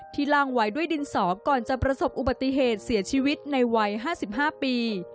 ล่างไว้ด้วยดินสอก่อนจะประสบอุบัติเหตุเสียชีวิตในวัย๕๕ปี